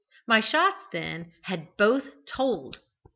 My shots, then, had both told!